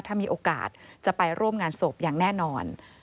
ถ้ามีโอกาสจะไปร่วมงานศพอย่างแน่นอน